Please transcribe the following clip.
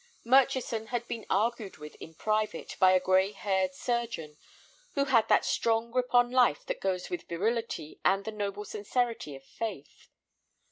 Murchison had been argued with in private by a gray haired surgeon who had that strong grip on life that goes with virility and the noble sincerity of faith.